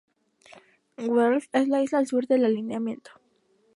Wolf es la isla al sur del alineamiento.